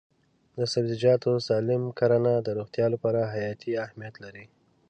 د سبزیجاتو سالم کرنه د روغتیا لپاره حیاتي اهمیت لري.